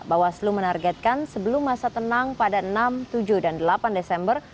bawaslu menargetkan sebelum masa tenang pada enam tujuh dan delapan desember